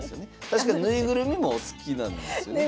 確か縫いぐるみもお好きなんですよね？